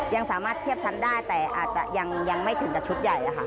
ยังสามารถเทียบชั้นได้แต่อาจจะยังไม่ถึงกับชุดใหญ่ค่ะ